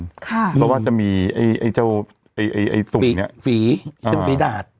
เพราะว่าจะมีไอ้เจ้าไอ้ตุ๋งนี้ฟีดาด